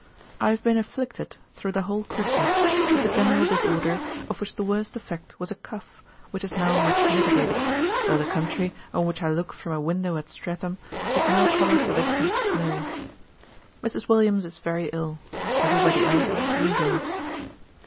I have been afflicted, through the whole Christmas, with the general disorder, of which the worst effect was a cough, which is now much mitigated, though the country, on which I look from a window at Streatham, is now covered with a deep snow. Mrs. Williams is very ill: every body else is as usual.